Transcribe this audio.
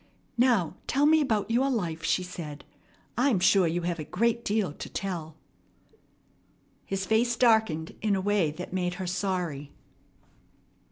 "Now tell me about your life," she said. "I'm sure you have a great deal to tell." His face darkened in a way that made her sorry.